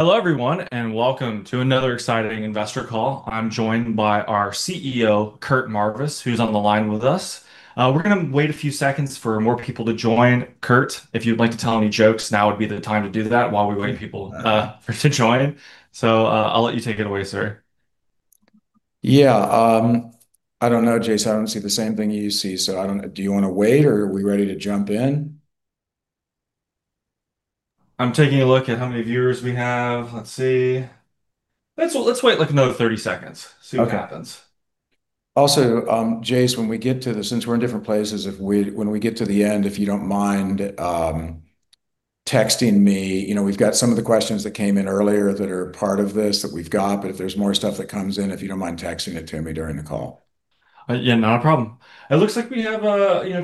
Hello, everyone. Welcome to another exciting investor call. I'm joined by our CEO, Curt Marvis, who's on the line with us. We're going to wait a few seconds for more people to join. Curt, if you'd like to tell any jokes, now would be the time to do that while we wait for people to join. I'll let you take it away, sir. Yeah. I don't know, Jace. I don't see the same thing you see, so do you want to wait, or are we ready to jump in? I'm taking a look at how many viewers we have. Let's see. Let's wait another 30 seconds. Okay. See what happens. Jace, since we're in different places, when we get to the end, if you don't mind texting me. We've got some of the questions that came in earlier that are part of this that we've got, but if there's more stuff that comes in, if you don't mind texting it to me during the call. Yeah, not a problem. It looks like we have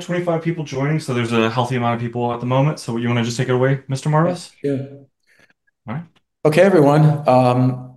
25 people joining, so there's a healthy amount of people at the moment. You want to just take it away, Mr. Marvis? Yeah. All right. Okay, everyone.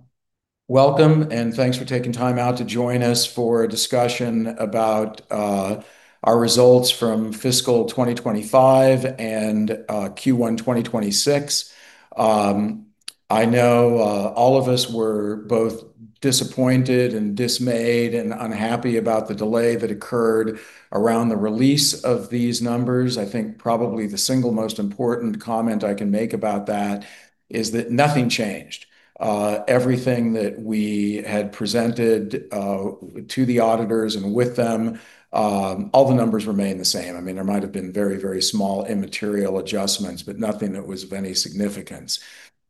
Welcome and thanks for taking time out to join us for a discussion about our results from fiscal 2025 and Q1 2026. I know all of us were both disappointed and dismayed and unhappy about the delay that occurred around the release of these numbers. I think probably the single most important comment I can make about that is that nothing changed. Everything that we had presented to the auditors and with them, all the numbers remain the same. There might have been very, very small immaterial adjustments, but nothing that was of any significance.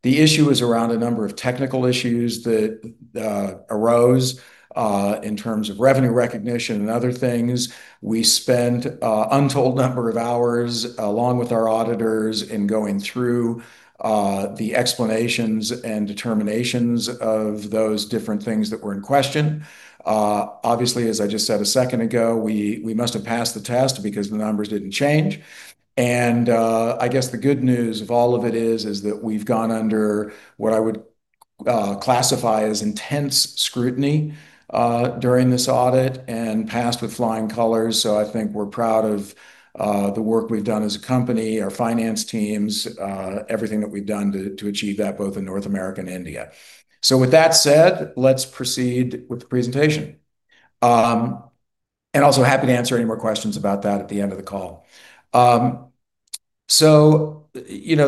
The issue is around a number of technical issues that arose in terms of revenue recognition and other things. We spent untold number of hours, along with our auditors, in going through the explanations and determinations of those different things that were in question. Obviously, as I just said a second ago, we must have passed the test because the numbers didn't change. I guess the good news of all of it is that we've gone under what I would classify as intense scrutiny during this audit and passed with flying colors, so I think we're proud of the work we've done as a company, our finance teams, everything that we've done to achieve that both in North America and India. With that said, let's proceed with the presentation. Also happy to answer any more questions about that at the end of the call.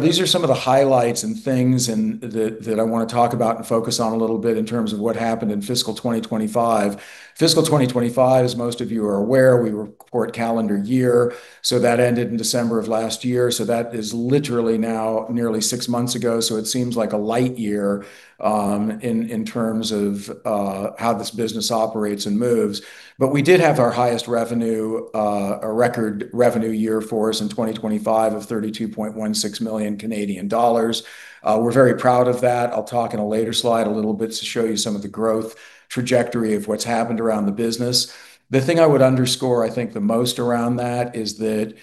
These are some of the highlights and things that I want to talk about and focus on a little bit in terms of what happened in fiscal 2025. Fiscal 2025, as most of you are aware, we report calendar year, so that ended in December of last year, so that is literally now nearly six months ago, so it seems like a light year in terms of how this business operates and moves. We did have our highest revenue, a record revenue year for us in 2025 of 32.16 million Canadian dollars. We're very proud of that. I'll talk in a later slide a little bit to show you some of the growth trajectory of what's happened around the business. The thing I would underscore, I think, the most around that is that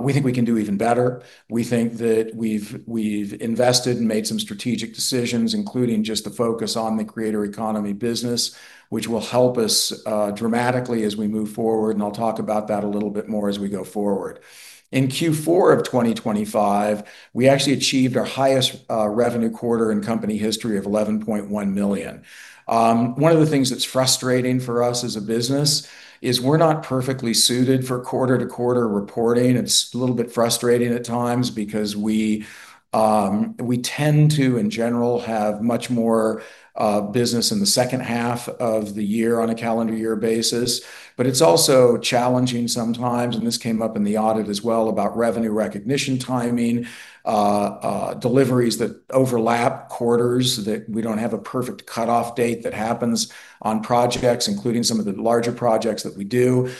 we think we can do even better. We think that we've invested and made some strategic decisions, including just the focus on the creator economy business, which will help us dramatically as we move forward, and I'll talk about that a little bit more as we go forward. In Q4 of 2025, we actually achieved our highest revenue quarter in company history of 11.1 million. One of the things that's frustrating for us as a business is we're not perfectly suited for quarter-to-quarter reporting. It's a little bit frustrating at times because we tend to, in general, have much more business in the second half of the year on a calendar year basis. It's also challenging sometimes, and this came up in the audit as well about revenue recognition timing, deliveries that overlap quarters, that we don't have a perfect cutoff date that happens on projects, including some of the larger projects that we do.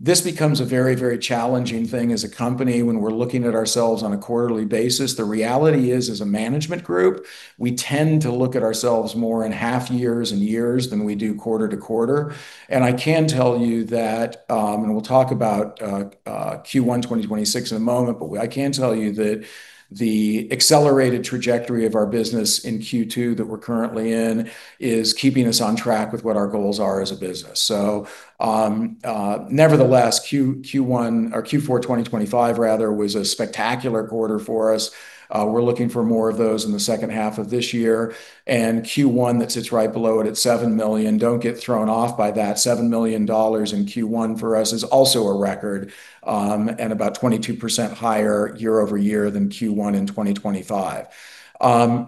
This becomes a very, very challenging thing as a company when we're looking at ourselves on a quarterly basis. The reality is, as a management group, we tend to look at ourselves more in half years and years than we do quarter-to-quarter. I can tell you that, and we'll talk about Q1 2026 in a moment, but I can tell you that the accelerated trajectory of our business in Q2 that we're currently in is keeping us on track with what our goals are as a business. Nevertheless, Q4 2025 was a spectacular quarter for us. We're looking for more of those in the second half of this year, and Q1 that sits right below it at 7 million. Don't get thrown off by that. 7 million dollars in Q1 for us is also a record, and about 22% higher year-over-year than Q1 in 2025.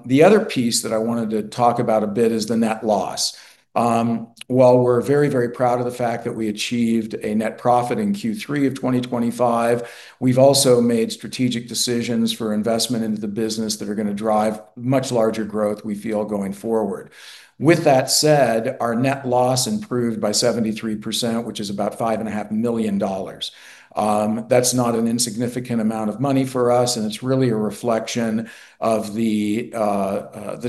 The other piece that I wanted to talk about a bit is the net loss. While we're very, very proud of the fact that we achieved a net profit in Q3 of 2025, we've also made strategic decisions for investment into the business that are going to drive much larger growth we feel going forward. With that said, our net loss improved by 73%, which is about 5.5 million dollars. That's not an insignificant amount of money for us, and it's really a reflection of the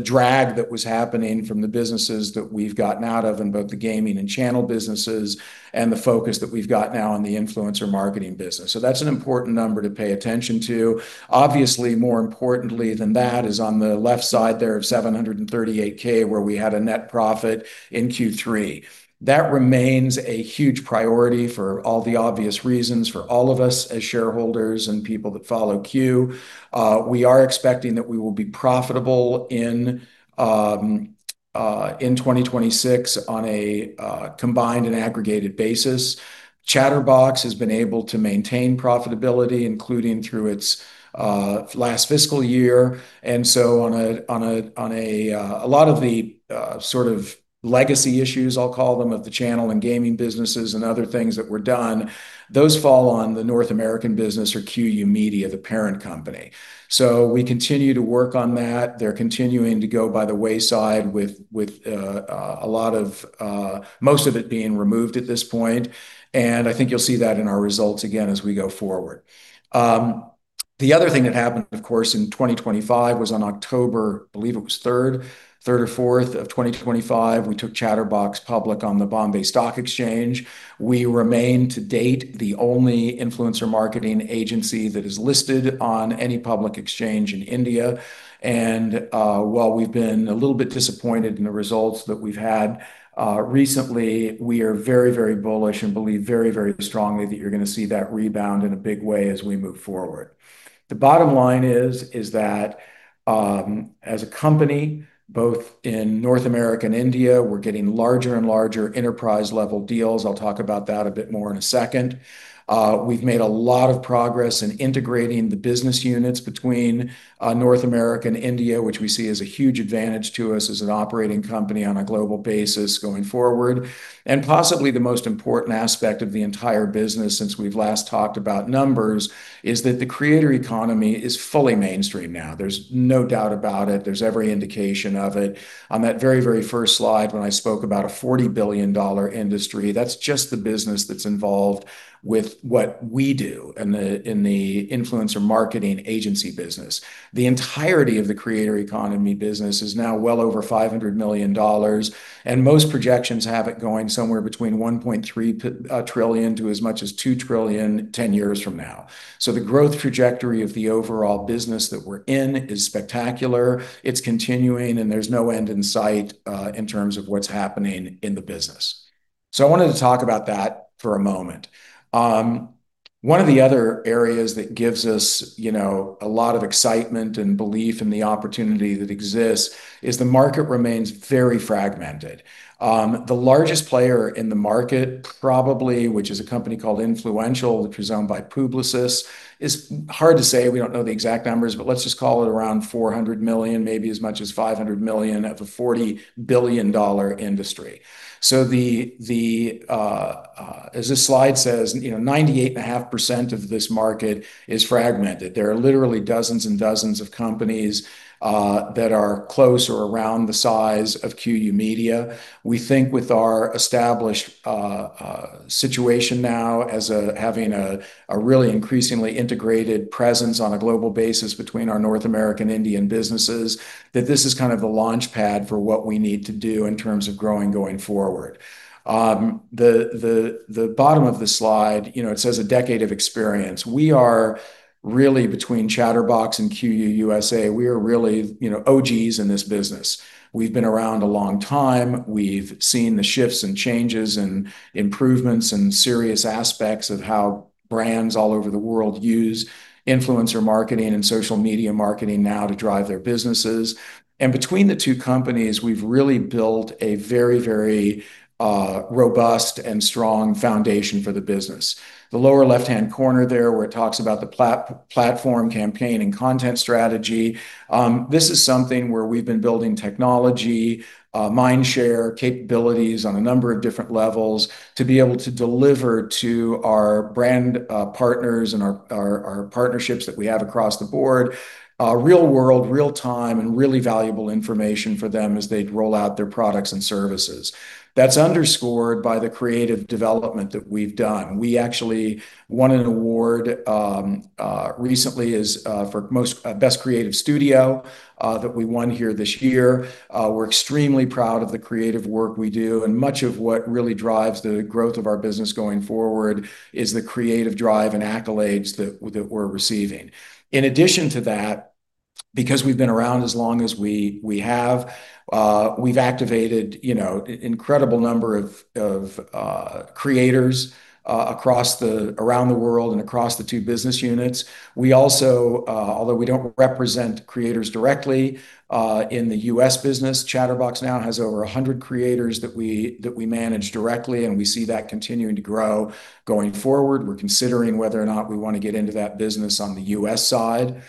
drag that was happening from the businesses that we've gotten out of in both the gaming and channel businesses, and the focus that we've got now on the influencer marketing business. That's an important number to pay attention to. Obviously, more importantly than that is on the left side there of 738,000 where we had a net profit in Q3. That remains a huge priority for all the obvious reasons for all of us as shareholders and people that follow Q. We are expecting that we will be profitable in 2026 on a combined and aggregated basis. Chtrbox has been able to maintain profitability, including through its last fiscal year. On a lot of the sort of legacy issues, I'll call them, of the channel and gaming businesses and other things that were done, those fall on the North American business or QYOU Media, the parent company. We continue to work on that. They're continuing to go by the wayside with most of it being removed at this point, and I think you'll see that in our results again as we go forward. The other thing that happened, of course, in 2025 was on October 3rd or 4th of 2025, we took Chtrbox public on the Bombay Stock Exchange. We remain to date the only influencer marketing agency that is listed on any public exchange in India. While we've been a little bit disappointed in the results that we've had recently, we are very bullish and believe very strongly that you're going to see that rebound in a big way as we move forward. The bottom line is that, as a company, both in North America and India, we're getting larger and larger enterprise-level deals. I'll talk about that a bit more in a second. We've made a lot of progress in integrating the business units between North America and India, which we see as a huge advantage to us as an operating company on a global basis going forward. Possibly the most important aspect of the entire business since we've last talked about numbers is that the creator economy is fully mainstream now. There's no doubt about it. There's every indication of it. On that very first slide, when I spoke about a $40 billion industry, that's just the business that's involved with what we do in the influencer marketing agency business. The entirety of the creator economy business is now well over $500 million, and most projections have it going somewhere between $1.3 trillion to as much as $2 trillion 10 years from now. The growth trajectory of the overall business that we're in is spectacular. It's continuing, and there's no end in sight, in terms of what's happening in the business. I wanted to talk about that for a moment. One of the other areas that gives us a lot of excitement and belief in the opportunity that exists is the market remains very fragmented. The largest player in the market probably, which is a company called Influential, which is owned by Publicis, is hard to say, we don't know the exact numbers, but let's just call it around $400 million, maybe as much as $500 million of a $40 billion industry. As this slide says, 98.5% of this market is fragmented. There are literally dozens and dozens of companies that are close or around the size of QYOU Media. We think with our established situation now as having a really increasingly integrated presence on a global basis between our North American, Indian businesses, that this is kind of the launch pad for what we need to do in terms of growing going forward. The bottom of the slide, it says a decade of experience. We are really between Chtrbox and QYOU USA, we are really OGs in this business. We've been around a long time. We've seen the shifts and changes and improvements and serious aspects of how brands all over the world use influencer marketing and social media marketing now to drive their businesses. Between the two companies, we've really built a very robust and strong foundation for the business. The lower left-hand corner there, where it talks about the platform, campaign, and content strategy, this is something where we've been building technology, mind share capabilities on a number of different levels to be able to deliver to our brand partners and our partnerships that we have across the board, real world, real-time, and really valuable information for them as they roll out their products and services. That's underscored by the creative development that we've done. We actually won an award recently for Best Creative Studio, that we won here this year. We're extremely proud of the creative work we do, and much of what really drives the growth of our business going forward is the creative drive and accolades that we're receiving. In addition to that, because we've been around as long as we have, we've activated incredible number of creators around the world and across the two business units. Although we don't represent creators directly, in the U.S. business, Chtrbox now has over 100 creators that we manage directly, and we see that continuing to grow going forward. We're considering whether or not we want to get into that business on the U.S. side.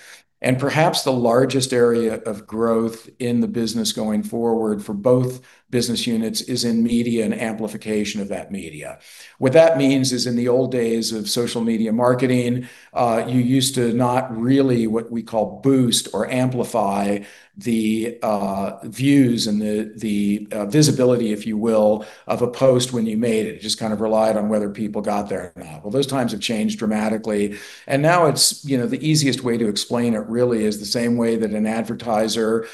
Perhaps the largest area of growth in the business going forward for both business units is in media and amplification of that media. What that means is in the old days of social media marketing, you used to not really what we call boost or amplify the views and the visibility, if you will, of a post when you made it. It just kind of relied on whether people got there or not. Well, those times have changed dramatically, and now the easiest way to explain it really is the same way that an advertiser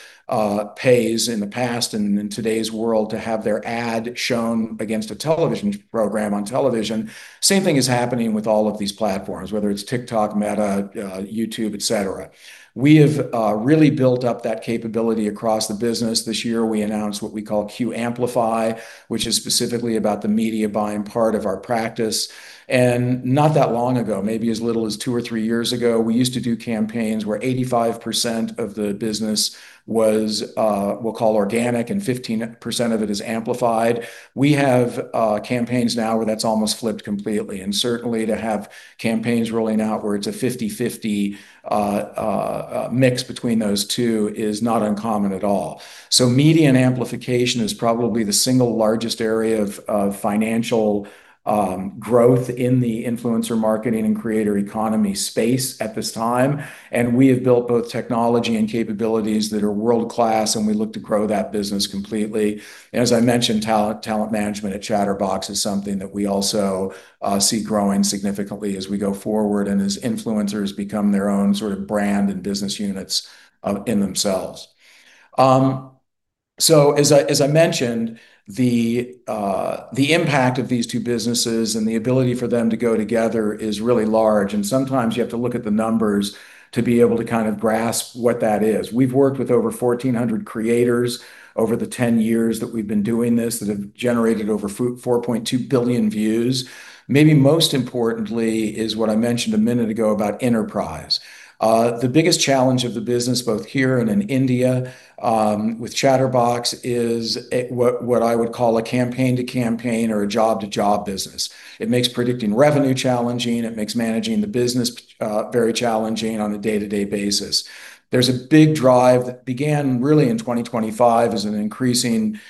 pays in the past and in today's world to have their ad shown against a television program on television. Same thing is happening with all of these platforms, whether it's TikTok, Meta, YouTube, et cetera. We have really built up that capability across the business. This year, we announced what we call QYOU Amplify, which is specifically about the media buying part of our practice. Not that long ago, maybe as little as two or three years ago, we used to do campaigns where 85% of the business was, we'll call organic, and 15% of it is amplified. We have campaigns now where that's almost flipped completely, and certainly to have campaigns rolling out where it's a 50/50 mix between those two is not uncommon at all. Media and amplification is probably the single largest area of financial growth in the influencer marketing and creator economy space at this time, we have built both technology and capabilities that are world-class, we look to grow that business completely. As I mentioned, talent management at Chtrbox is something that we also see growing significantly as we go forward and as influencers become their own sort of brand and business units in themselves. As I mentioned, the impact of these two businesses and the ability for them to go together is really large, and sometimes you have to look at the numbers to be able to grasp what that is. We've worked with over 1,400 creators over the 10 years that we've been doing this, that have generated over 4.2 billion views. Maybe most importantly is what I mentioned a minute ago about enterprise. The biggest challenge of the business, both here and in India, with Chtrbox is what I would call a campaign-to-campaign or a job-to-job business. It makes predicting revenue challenging. It makes managing the business very challenging on a day-to-day basis. There's a big drive that began really in 2025, is increasing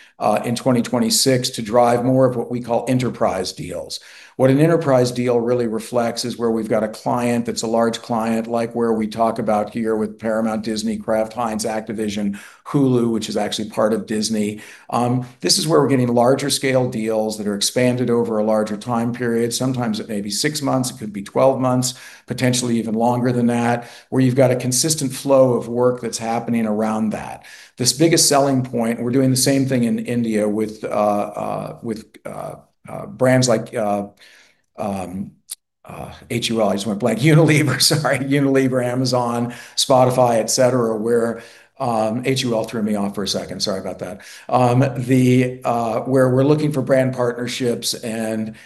in 2026 to drive more of what we call enterprise deals. What an enterprise deal really reflects is where we've got a client that's a large client, like where we talk about here with Paramount, Disney, Kraft Heinz, Activision, Hulu, which is actually part of Disney. This is where we're getting larger scale deals that are expanded over a larger time period. Sometimes it may be six months, it could be 12 months, potentially even longer than that, where you've got a consistent flow of work that's happening around that. This biggest selling point, we're doing the same thing in India with brands like, HUL, I just went blank. Unilever, sorry. Unilever, Amazon, Spotify, et cetera, where, HUL threw me off for a second. Sorry about that. Where we're looking for brand partnerships and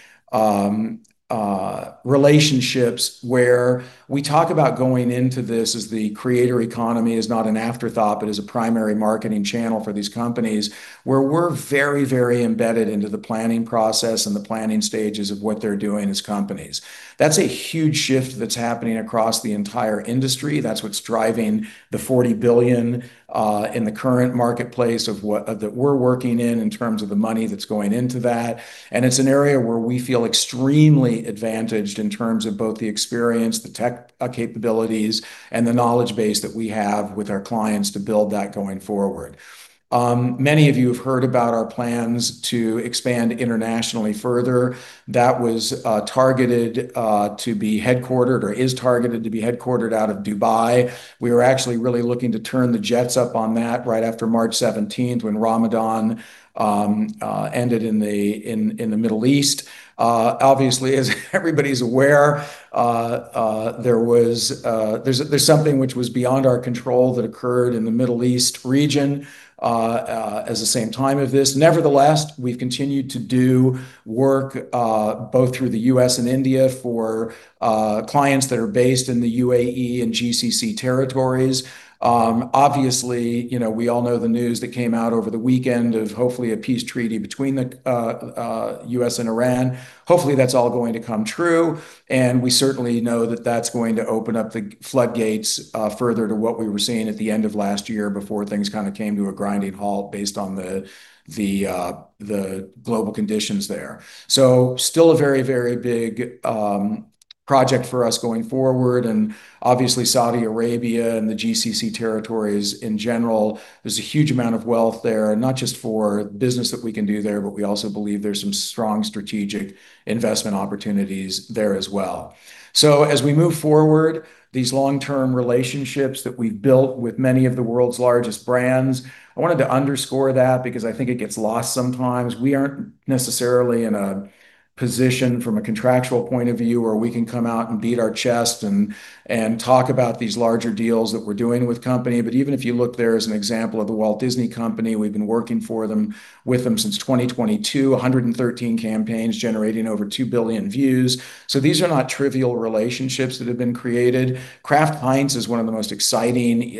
relationships where we talk about going into this as the creator economy is not an afterthought, but is a primary marketing channel for these companies where we're very embedded into the planning process and the planning stages of what they're doing as companies. That's a huge shift that's happening across the entire industry. That's what's driving the 40 billion in the current marketplace of what that we're working in terms of the money that's going into that. It's an area where we feel extremely advantaged in terms of both the experience, the tech capabilities, and the knowledge base that we have with our clients to build that going forward. Many of you have heard about our plans to expand internationally further. That was targeted to be headquartered, or is targeted to be headquartered out of Dubai. We were actually really looking to turn the jets up on that right after March 17th when Ramadan ended in the Middle East. Obviously, as everybody's aware, there's something which was beyond our control that occurred in the Middle East region, at the same time of this. Nevertheless, we've continued to do work, both through the U.S. and India, for clients that are based in the U.A.E. and GCC territories. Obviously, we all know the news that came out over the weekend of hopefully a peace treaty between the U.S. and Iran. Hopefully, that's all going to come true, and we certainly know that that's going to open up the floodgates further to what we were seeing at the end of last year before things came to a grinding halt based on the global conditions there. Still a very big project for us going forward. Obviously Saudi Arabia and the GCC territories in general, there's a huge amount of wealth there, not just for business that we can do there, but we also believe there's some strong strategic investment opportunities there as well. As we move forward, these long-term relationships that we've built with many of the world's largest brands, I wanted to underscore that because I think it gets lost sometimes. We aren't necessarily in a position from a contractual point of view where we can come out and beat our chest and talk about these larger deals that we're doing with company. Even if you look there as an example of The Walt Disney Company, we've been working with them since 2022, 113 campaigns generating over 2 billion views. These are not trivial relationships that have been created. Kraft Heinz is one of the most exciting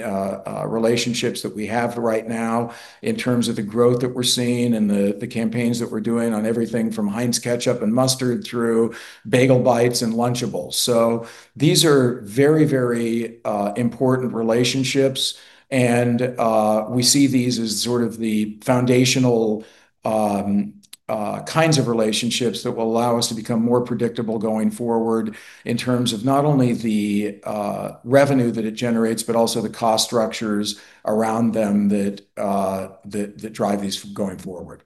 relationships that we have right now in terms of the growth that we're seeing and the campaigns that we're doing on everything from Heinz Ketchup and Mustard through Bagel Bites and Lunchables. These are very important relationships and we see these as sort of the foundational kinds of relationships that will allow us to become more predictable going forward in terms of not only the revenue that it generates, but also the cost structures around them that drive these going forward.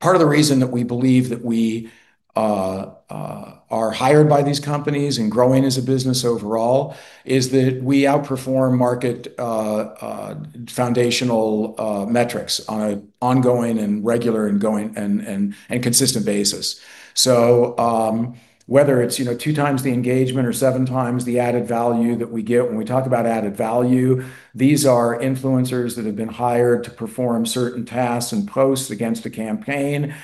Part of the reason that we believe that we are hired by these companies and growing as a business overall is that we outperform market foundational metrics on an ongoing and regular and consistent basis. Whether it's 2x the engagement or 7x the added value that we get. When we talk about added value, these are influencers that have been hired to perform certain tasks and posts against a campaign.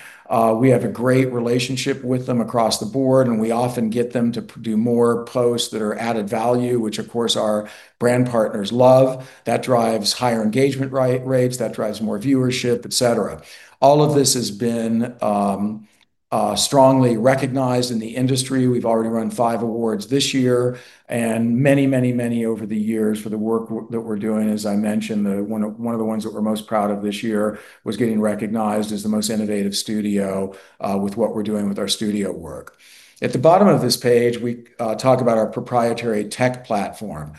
We have a great relationship with them across the board, and we often get them to do more posts that are added value, which of course our brand partners love. That drives higher engagement rates, that drives more viewership, et cetera. All of this has been strongly recognized in the industry. We've already won five awards this year and many over the years for the work that we're doing. As I mentioned, one of the ones that we're most proud of this year was getting recognized as the most innovative studio with what we're doing with our studio work. At the bottom of this page, we talk about our proprietary tech platform.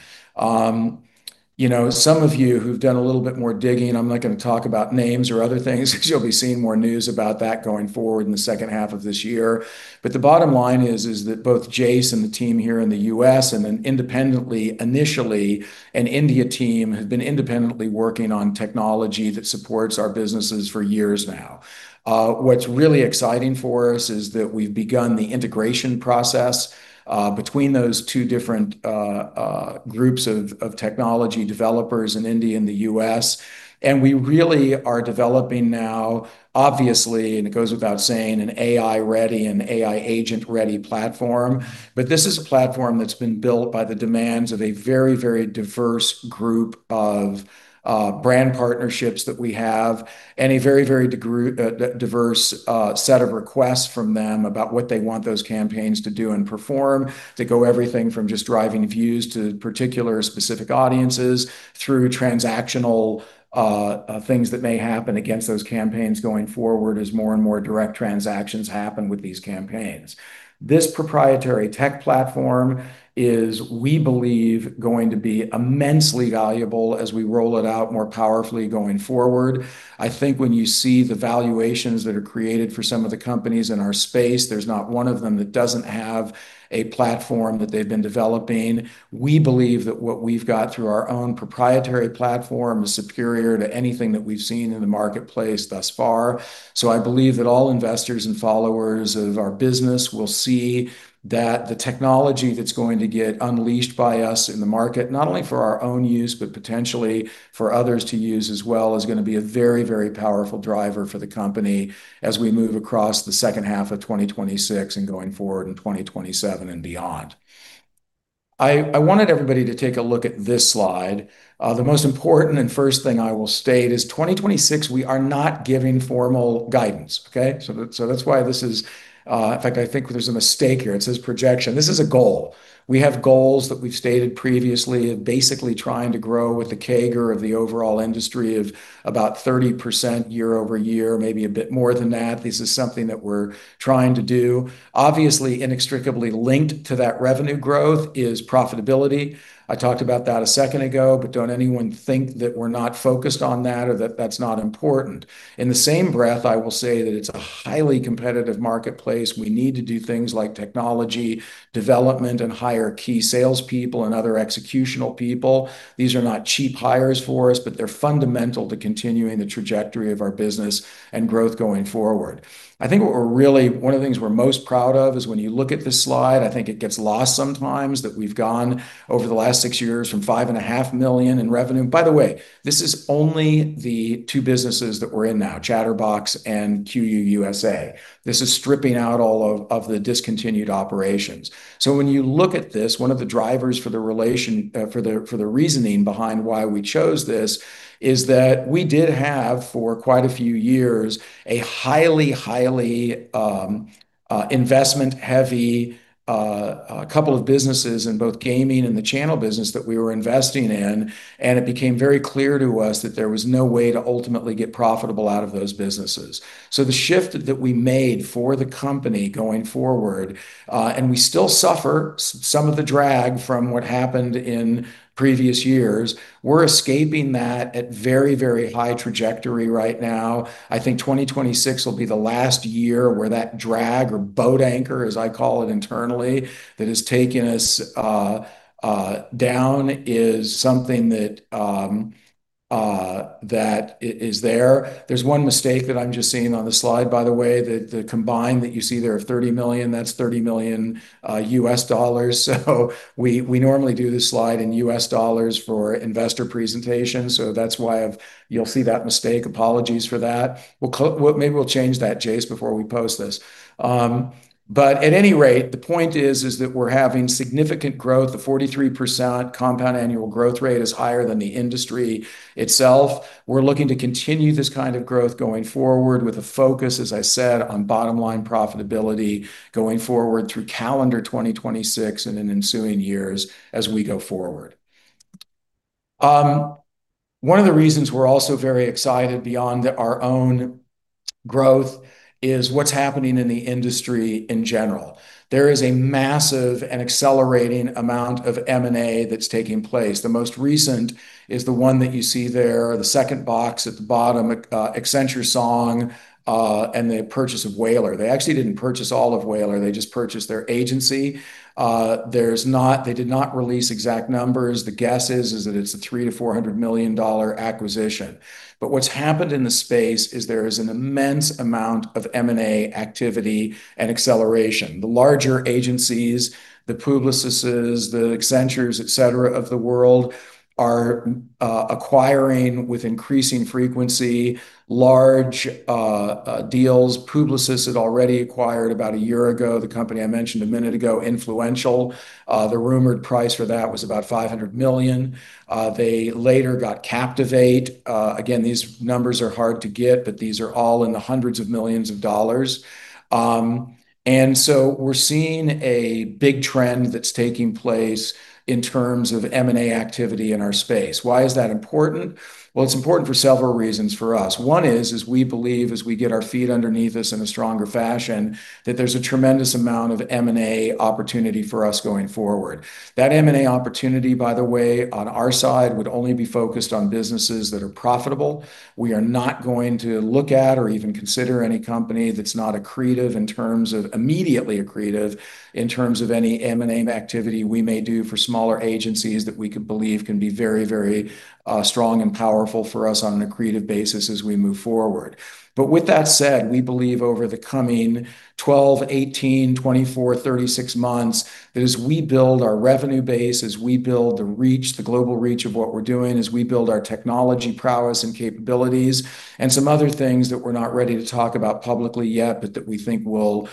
Some of you who've done a little bit more digging, I'm not going to talk about names or other things because you'll be seeing more news about that going forward in the second half of this year. The bottom line is that both Jace and the team here in the U.S., and then independently, initially, an India team have been independently working on technology that supports our businesses for years now. What's really exciting for us is that we've begun the integration process between those two different groups of technology developers in India and the U.S., and we really are developing now, obviously, and it goes without saying, an AI-ready and AI agent-ready platform. This is a platform that's been built by the demands of a very diverse group of brand partnerships that we have, and a very diverse set of requests from them about what they want those campaigns to do and perform to go everything from just driving views to particular specific audiences through transactional things that may happen against those campaigns going forward as more and more direct transactions happen with these campaigns. This proprietary tech platform is, we believe, going to be immensely valuable as we roll it out more powerfully going forward. I think when you see the valuations that are created for some of the companies in our space, there's not one of them that doesn't have a platform that they've been developing. We believe that what we've got through our own proprietary platform is superior to anything that we've seen in the marketplace thus far. I believe that all investors and followers of our business will see that the technology that's going to get unleashed by us in the market, not only for our own use, but potentially for others to use as well, is going to be a very powerful driver for the company as we move across the second half of 2026 and going forward in 2027 and beyond. I wanted everybody to take a look at this slide. The most important and first thing I will state is 2026, we are not giving formal guidance, okay? In fact, I think there's a mistake here. It says projection. This is a goal. We have goals that we've stated previously of basically trying to grow with the CAGR of the overall industry of about 30% year-over-year, maybe a bit more than that. This is something that we're trying to do. Obviously, inextricably linked to that revenue growth is profitability. I talked about that a second ago, don't anyone think that we're not focused on that or that that's not important. In the same breath, I will say that it's a highly competitive marketplace. We need to do things like technology development and hire key salespeople and other executional people. These are not cheap hires for us, but they're fundamental to continuing the trajectory of our business and growth going forward. One of the things we're most proud of is when you look at this slide, I think it gets lost sometimes that we've gone over the last six years from 5.5 million in revenue. This is only the two businesses that we're in now, Chtrbox and QYOU USA. This is stripping out all of the discontinued operations. When you look at this, one of the drivers for the reasoning behind why we chose this is that we did have, for quite a few years, a highly investment-heavy couple of businesses in both gaming and the channel business that we were investing in, and it became very clear to us that there was no way to ultimately get profitable out of those businesses. The shift that we made for the company going forward, and we still suffer some of the drag from what happened in previous years. We're escaping that at very high trajectory right now. I think 2026 will be the last year where that drag or boat anchor, as I call it internally, that has taken us down is something that is there. There's one mistake that I'm just seeing on the slide, the combined that you see there of $30 million, that's $30 million. We normally do this slide in U.S. dollars for investor presentations, so that's why you'll see that mistake. Apologies for that. Maybe we'll change that, Jace, before we post this. At any rate, the point is that we're having significant growth. The 43% compound annual growth rate is higher than the industry itself. We're looking to continue this kind of growth going forward with a focus, as I said, on bottom-line profitability going forward through calendar 2026 and in ensuing years as we go forward. One of the reasons we're also very excited beyond our own growth is what's happening in the industry in general. There is a massive and accelerating amount of M&A that's taking place. The most recent is the one that you see there, the second box at the bottom, Accenture Song, and the purchase of Whalar. They actually didn't purchase all of Whalar. They just purchased their agency. They did not release exact numbers. The guess is that it's a 300 million-400 million dollar acquisition. What's happened in the space is there is an immense amount of M&A activity and acceleration. The larger agencies, the Publicis, the Accentures, et cetera, of the world are acquiring with increasing frequency large deals. Publicis had already acquired about a year ago, the company I mentioned a minute ago, Influential. The rumored price for that was about $500 million. They later got Captiv8. Again, these numbers are hard to get, but these are all in the hundreds of millions of dollars. We're seeing a big trend that's taking place in terms of M&A activity in our space. Why is that important? It's important for several reasons for us. One is, we believe as we get our feet underneath us in a stronger fashion, there's a tremendous amount of M&A opportunity for us going forward. That M&A opportunity, by the way, on our side, would only be focused on businesses that are profitable. We are not going to look at or even consider any company that's not immediately accretive in terms of any M&A activity we may do for smaller agencies that we believe can be very strong and powerful for us on an accretive basis as we move forward. With that said, we believe over the coming 12, 18, 24, 36 months, that as we build our revenue base, as we build the reach, the global reach of what we're doing, as we build our technology prowess and capabilities and some other things that we're not ready to talk about publicly yet, but that we think will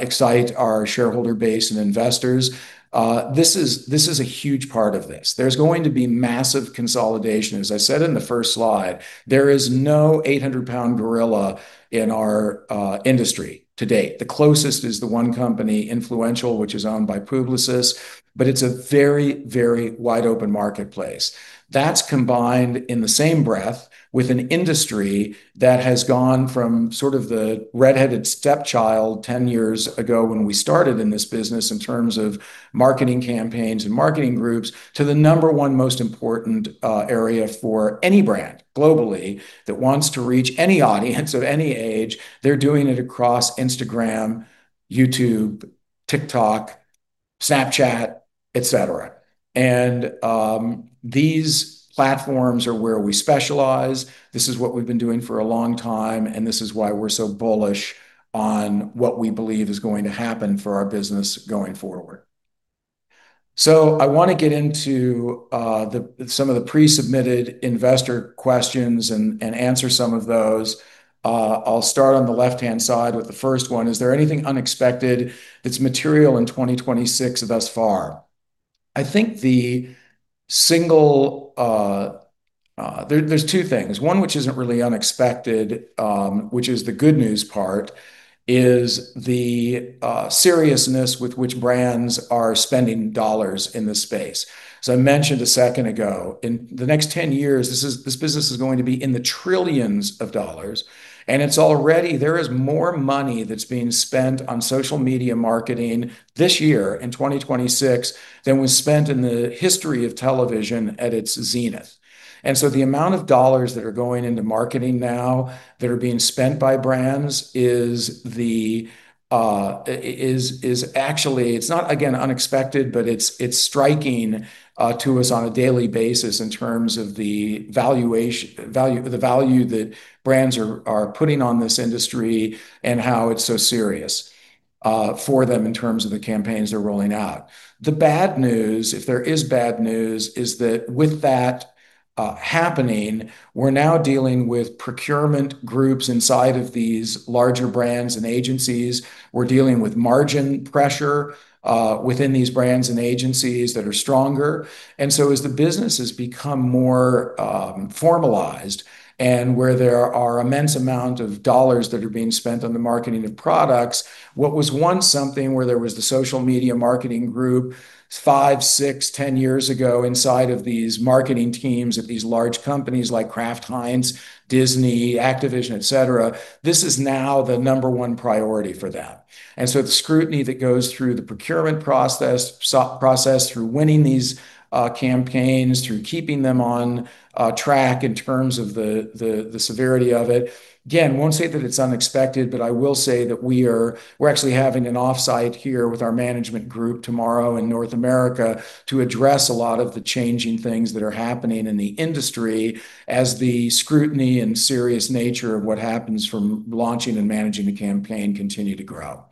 excite our shareholder base and investors. This is a huge part of this. There's going to be massive consolidation. As I said in the first slide, there is no 800-pound gorilla in our industry to date. The closest is the one company, Influential, which is owned by Publicis, but it's a very wide-open marketplace. That combined in the same breath with an industry that has gone from sort of the redheaded stepchild 10 years ago when we started in this business in terms of marketing campaigns and marketing groups, to the number 1 most important area for any brand globally that wants to reach any audience of any age. They're doing it across Instagram, YouTube, TikTok, Snapchat, et cetera. These platforms are where we specialize. This is what we've been doing for a long time, and this is why we're so bullish on what we believe is going to happen for our business going forward. I want to get into some of the pre-submitted investor questions and answer some of those. I'll start on the left-hand side with the first one. Is there anything unexpected that's material in 2026 thus far? I think there's two things. One which isn't really unexpected, which is the good news part, is the seriousness with which brands are spending dollars in this space. As I mentioned a second ago, in the next 10 years, this business is going to be in the trillions of dollars, and there is more money that's being spent on social media marketing this year in 2026 than was spent in the history of television at its zenith. The amount of dollars that are going into marketing now that are being spent by brands is actually, it's not, again, unexpected, but it's striking to us on a daily basis in terms of the value that brands are putting on this industry and how it's so serious for them in terms of the campaigns they're rolling out. The bad news, if there is bad news, is that with that happening, we're now dealing with procurement groups inside of these larger brands and agencies. We're dealing with margin pressure within these brands and agencies that are stronger. As the business has become more formalized and where there are immense amount of dollars that are being spent on the marketing of products, what was once something where there was the social media marketing group five, six, 10 years ago inside of these marketing teams at these large companies like Kraft Heinz, Disney, Activision, et cetera, this is now the number one priority for them. The scrutiny that goes through the procurement process, through winning these campaigns, through keeping them on track in terms of the severity of it, again, won't say that it's unexpected, but I will say that we're actually having an off-site here with our management group tomorrow in North America to address a lot of the changing things that are happening in the industry as the scrutiny and serious nature of what happens from launching and managing the campaign continue to grow.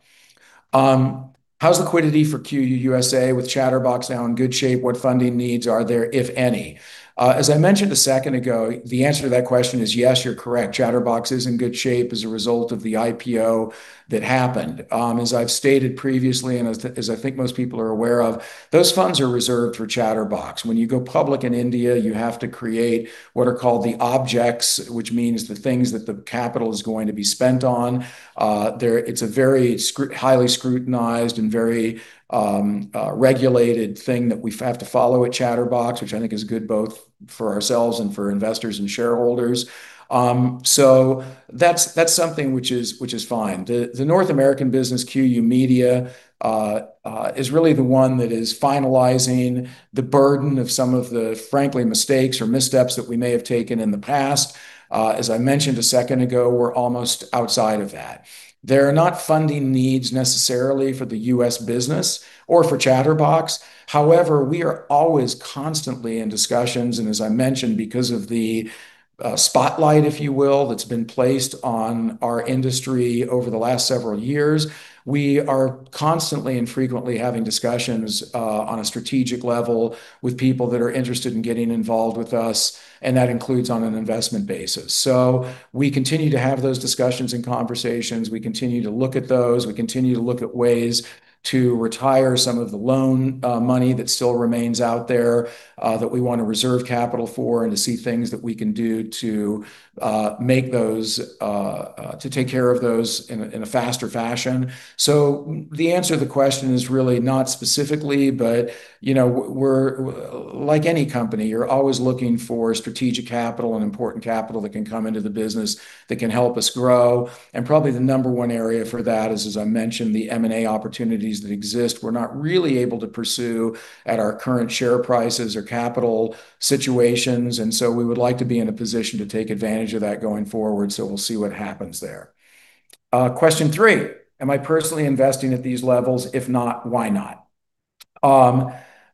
How's liquidity for QYOU USA with Chtrbox now in good shape? What funding needs are there, if any? As I mentioned a second ago, the answer to that question is yes, you're correct. Chtrbox is in good shape as a result of the IPO that happened. As I've stated previously, and as I think most people are aware of, those funds are reserved for Chtrbox. When you go public in India, you have to create what are called the objects, which means the things that the capital is going to be spent on. It's a very highly scrutinized and very regulated thing that we have to follow at Chtrbox, which I think is good both for ourselves and for investors and shareholders. That's something which is fine. The North American business, QYOU Media, is really the one that is finalizing the burden of some of the, frankly, mistakes or missteps that we may have taken in the past. As I mentioned a second ago, we're almost outside of that. There are not funding needs necessarily for the U.S. business or for Chtrbox. However, we are always constantly in discussions, and as I mentioned, because of the spotlight, if you will, that's been placed on our industry over the last several years, we are constantly and frequently having discussions on a strategic level with people that are interested in getting involved with us, and that includes on an investment basis. We continue to have those discussions and conversations. We continue to look at those. We continue to look at ways to retire some of the loan money that still remains out there, that we want to reserve capital for and to see things that we can do to take care of those in a faster fashion. The answer to the question is really not specifically, but like any company, you're always looking for strategic capital and important capital that can come into the business that can help us grow. Probably the number 1 area for that is, as I mentioned, the M&A opportunities that exist we're not really able to pursue at our current share prices or capital situations. We would like to be in a position to take advantage of that going forward. We'll see what happens there. Question three, am I personally investing at these levels? If not, why not?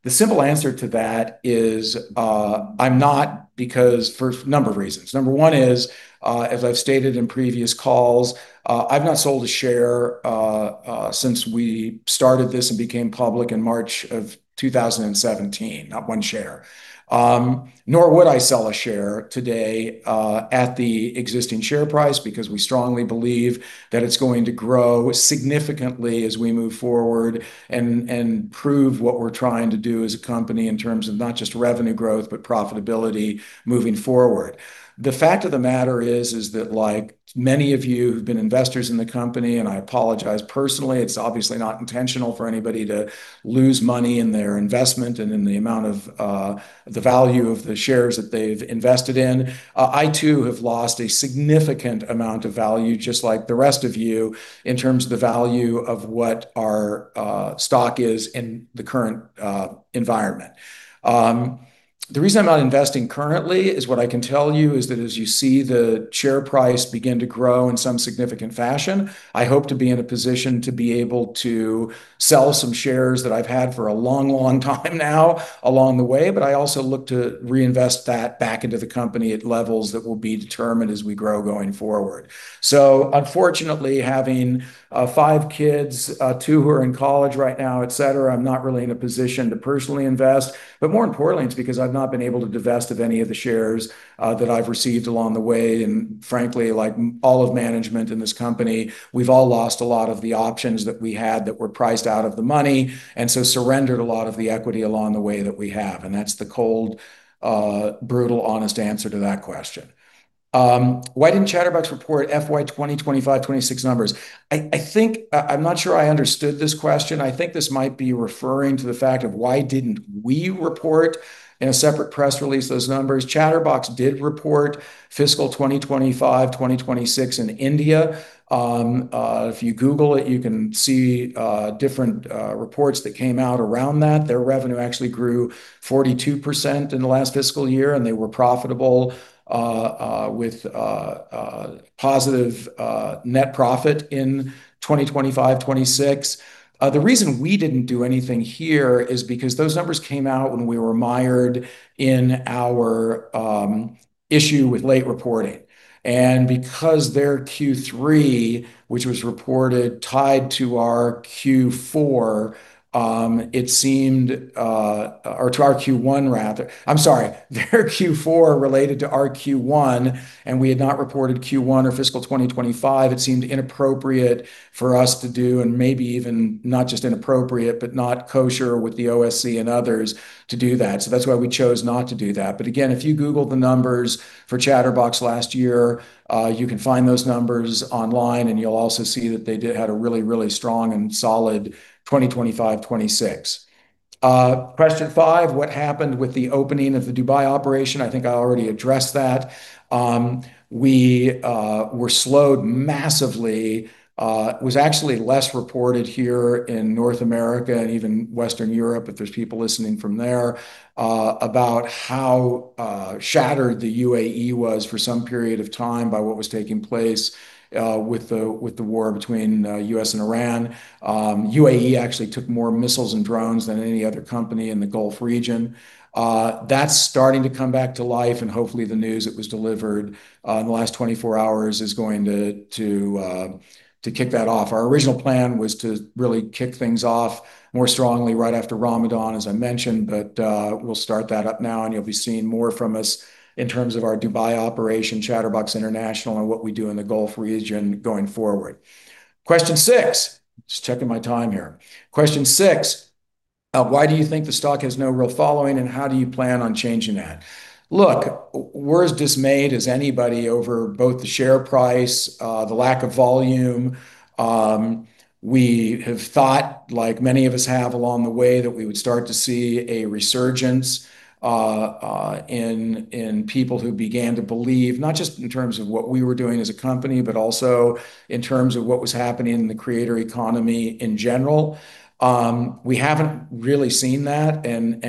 The simple answer to that is I'm not, because for a number of reasons. Number one is, as I've stated in previous calls, I've not sold a share since we started this and became public in March of 2017. Not one share. Nor would I sell a share today at the existing share price because we strongly believe that it's going to grow significantly as we move forward and prove what we're trying to do as a company in terms of not just revenue growth, but profitability moving forward. The fact of the matter is that like many of you who've been investors in the company, and I apologize personally, it's obviously not intentional for anybody to lose money in their investment and in the amount of the value of the shares that they've invested in. I too have lost a significant amount of value, just like the rest of you, in terms of the value of what our stock is in the current environment. The reason I'm not investing currently is what I can tell you is that as you see the share price begin to grow in some significant fashion, I hope to be in a position to be able to sell some shares that I've had for a long time now along the way. I also look to reinvest that back into the company at levels that will be determined as we grow going forward. Unfortunately, having five kids, two who are in college right now, et cetera, I'm not really in a position to personally invest. More importantly, it's because I've not been able to divest of any of the shares that I've received along the way. Frankly, like all of management in this company, we've all lost a lot of the options that we had that were priced out of the money. Surrendered a lot of the equity along the way that we have. That's the cold, brutal, honest answer to that question. Why didn't Chtrbox report FY 2025/2026 numbers? I'm not sure I understood this question. I think this might be referring to the fact of why didn't we report in a separate press release those numbers. Chtrbox did report fiscal 2025/2026 in India. If you google it, you can see different reports that came out around that. Their revenue actually grew 42% in the last fiscal year, and they were profitable, with positive net profit in 2025, 2026. The reason we didn't do anything here is because those numbers came out when we were mired in our issue with late reporting. Because their Q3, which was reported tied to our Q4, or to our Q1 rather. I'm sorry, their Q4 related to our Q1, and we had not reported Q1 or fiscal 2025. It seemed inappropriate for us to do, and maybe even not just inappropriate, but not kosher with the OSC and others to do that. That's why we chose not to do that. Again, if you google the numbers for Chtrbox last year, you can find those numbers online and you'll also see that they did had a really strong and solid 2025, 2026. Question five: What happened with the opening of the Dubai operation? I think I already addressed that. We were slowed massively. It was actually less reported here in North America and even Western Europe, if there's people listening from there, about how shattered the U.A.E was for some period of time by what was taking place with the war between U.S. and Iran. U.A.E actually took more missiles and drones than any other country in the Gulf region. That's starting to come back to life and hopefully the news that was delivered in the last 24 hours is going to kick that off. Our original plan was to really kick things off more strongly right after Ramadan, as I mentioned, we'll start that up now and you'll be seeing more from us in terms of our Dubai operation, Chtrbox International, and what we do in the Gulf region going forward. Question six. Just checking my time here. Question six: Why do you think the stock has no real following, how do you plan on changing that? Look, we're as dismayed as anybody over both the share price, the lack of volume. We have thought like many of us have along the way, that we would start to see a resurgence in people who began to believe, not just in terms of what we were doing as a company, but also in terms of what was happening in the creator economy in general. We haven't really seen that and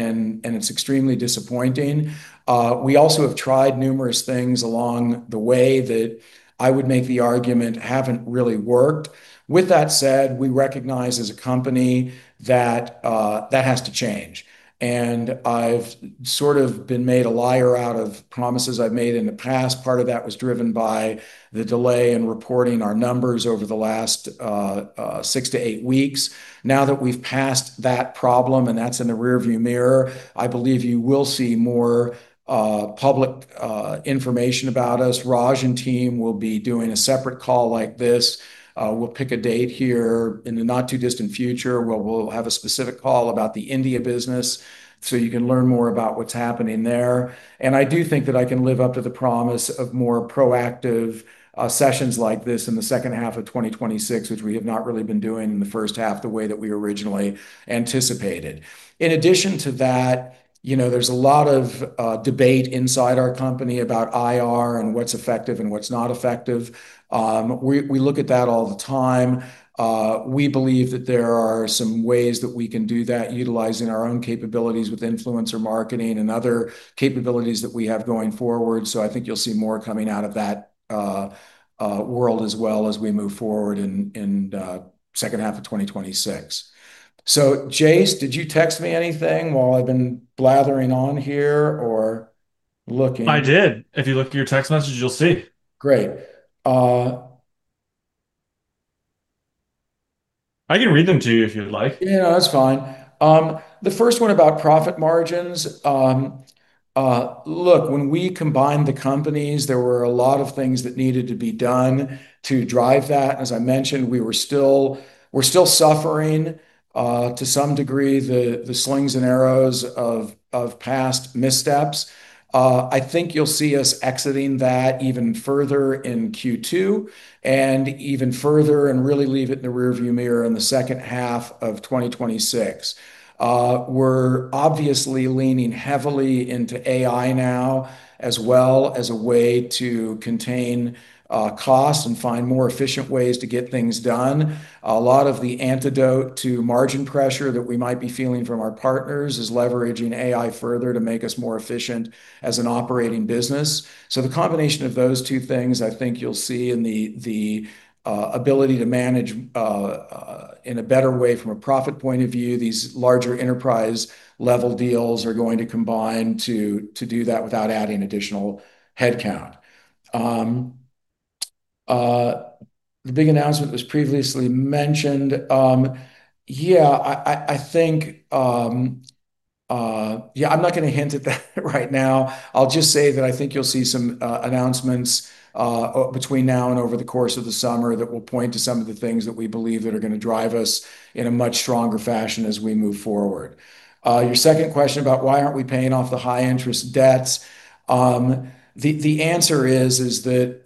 it's extremely disappointing. We also have tried numerous things along the way that I would make the argument haven't really worked. With that said, we recognize as a company that has to change, and I've sort of been made a liar out of promises I've made in the past. Part of that was driven by the delay in reporting our numbers over the last six to eight weeks. Now that we've passed that problem and that's in the rearview mirror, I believe you will see more public information about us. Raj and team will be doing a separate call like this. We'll pick a date here in the not-too-distant future where we'll have a specific call about the India business so you can learn more about what's happening there. I do think that I can live up to the promise of more proactive sessions like this in the second half of 2026, which we have not really been doing in the first half the way that we originally anticipated. In addition to that, there's a lot of debate inside our company about IR and what's effective and what's not effective. We look at that all the time. We believe that there are some ways that we can do that utilizing our own capabilities with influencer marketing and other capabilities that we have going forward. I think you'll see more coming out of that world as well as we move forward in second half of 2026. Jace, did you text me anything while I've been blathering on here or? I did. If you look at your text message, you'll see. Great. I can read them to you if you would like. Yeah, that's fine. The first one about profit margins. Look, when we combined the companies, there were a lot of things that needed to be done to drive that. As I mentioned, we're still suffering to some degree the slings and arrows of past missteps. I think you'll see us exiting that even further in Q2, and even further and really leave it in the rearview mirror in the second half of 2026. We're obviously leaning heavily into AI now as well as a way to contain costs and find more efficient ways to get things done. A lot of the antidote to margin pressure that we might be feeling from our partners is leveraging AI further to make us more efficient as an operating business. The combination of those two things, I think you'll see in the ability to manage in a better way from a profit point of view, these larger enterprise-level deals are going to combine to do that without adding additional headcount. The big announcement was previously mentioned. I'm not going to hint at that right now. I'll just say that I think you'll see some announcements between now and over the course of the summer that will point to some of the things that we believe that are going to drive us in a much stronger fashion as we move forward. Your second question about why aren't we paying off the high-interest debts? The answer is that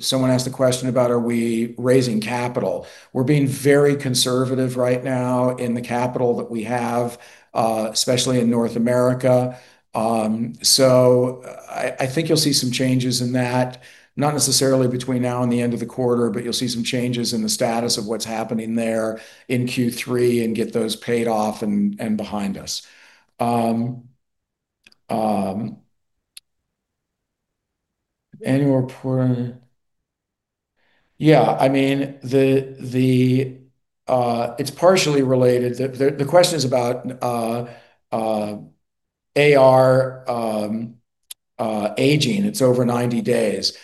someone asked the question about are we raising capital. We're being very conservative right now in the capital that we have, especially in North America. I think you'll see some changes in that, not necessarily between now and the end of the quarter, but you'll see some changes in the status of what's happening there in Q3 and get those paid off and behind us. Annual reporting. It's partially related. The question is about AR aging. It's over 90 days.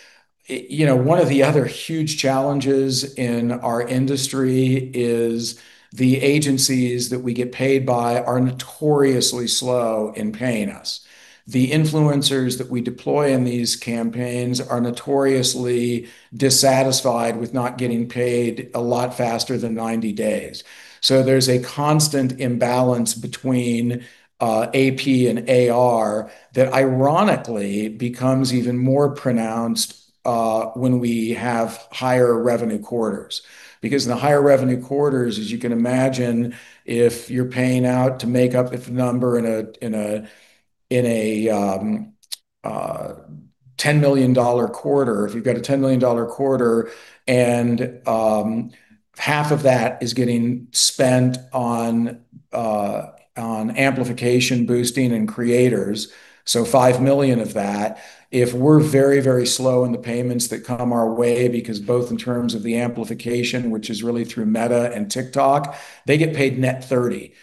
One of the other huge challenges in our industry is the agencies that we get paid by are notoriously slow in paying us. The influencers that we deploy in these campaigns are notoriously dissatisfied with not getting paid a lot faster than 90 days. There's a constant imbalance between AP and AR that ironically becomes even more pronounced when we have higher revenue quarters. In the higher revenue quarters, as you can imagine, if you're paying out to make up, if a number in a 10 million dollar quarter, if you've got a 10 million dollar quarter and half of that is getting spent on amplification, boosting, and creators, so 5 million of that. If we're very, very slow in the payments that come our way, because both in terms of the amplification, which is really through Meta and TikTok, they get paid net 30.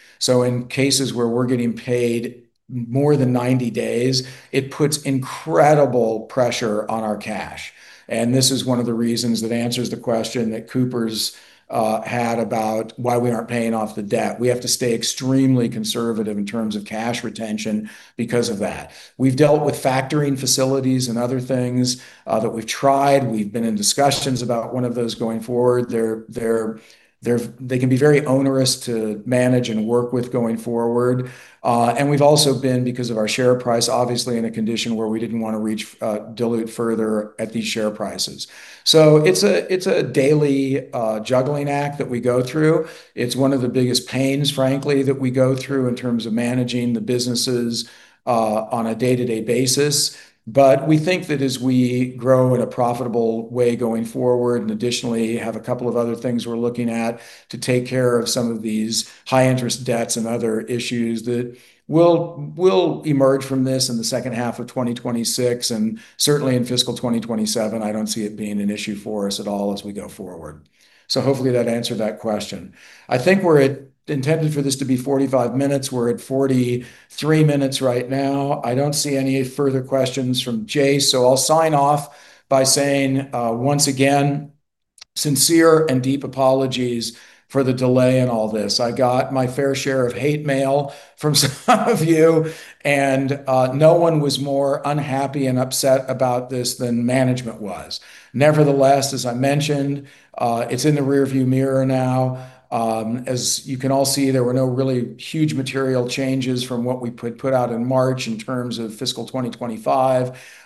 In cases where we're getting paid more than 90 days, it puts incredible pressure on our cash. This is one of the reasons that answers the question that Cooper's had about why we aren't paying off the debt. We have to stay extremely conservative in terms of cash retention because of that. We've dealt with factoring facilities and other things that we've tried. We've been in discussions about one of those going forward. They can be very onerous to manage and work with going forward. We've also been, because of our share price, obviously in a condition where we didn't want to dilute further at these share prices. It's a daily juggling act that we go through. It's one of the biggest pains, frankly, that we go through in terms of managing the businesses on a day-to-day basis. We think that as we grow in a profitable way going forward, and additionally have a couple of other things we're looking at to take care of some of these high-interest debts and other issues, that we'll emerge from this in the second half of 2026 and certainly in fiscal 2027. I don't see it being an issue for us at all as we go forward. Hopefully that answered that question. I think we intended for this to be 45 minutes. We're at 43 minutes right now. I don't see any further questions from Jace, so I'll sign off by saying, once again, sincere and deep apologies for the delay in all this. I got my fair share of hate mail from some of you, and no one was more unhappy and upset about this than management was. Nevertheless, as I mentioned, it's in the rear-view mirror now. As you can all see, there were no really huge material changes from what we put out in March in terms of FY 2025.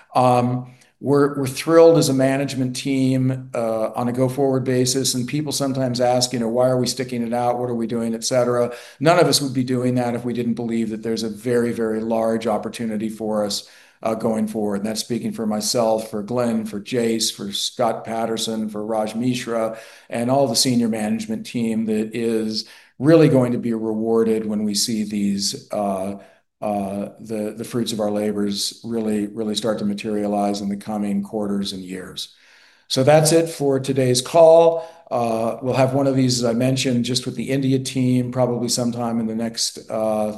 We're thrilled as a management team on a go-forward basis. People sometimes ask, "Why are we sticking it out? What are we doing?" Et cetera. None of us would be doing that if we didn't believe that there's a very, very large opportunity for us going forward. That's speaking for myself, for Glenn, for Jace, for Scott Paterson, for Raj Mishra, and all the senior management team that is really going to be rewarded when we see the fruits of our labors really start to materialize in the coming quarters and years. That's it for today's call. We'll have one of these, as I mentioned, just with the India team, probably sometime in the next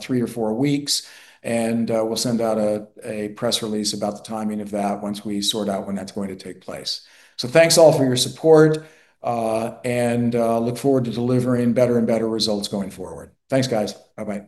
three or four weeks. We'll send out a press release about the timing of that once we sort out when that's going to take place. Thanks, all, for your support, and look forward to delivering better and better results going forward. Thanks, guys. Bye-bye.